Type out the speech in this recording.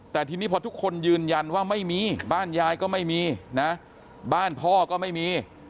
แต่ทีนี้พอทุกคนยืนยันว่าไม่มีบ้านยายก็ไม่มีนะบ้านพ่อก็ไม่มี